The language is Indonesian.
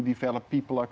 anda harus membangun